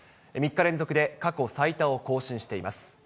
３日連続で過去最多を更新しています。